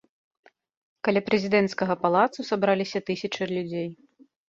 Каля прэзідэнцкага палацу сабраліся тысячы людзей.